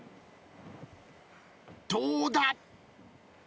どうだ？